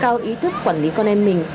cao ý thức quản lý con em mình